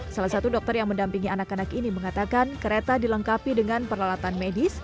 salah satu dokter yang mendampingi anak anak ini mengatakan kereta dilengkapi dengan peralatan medis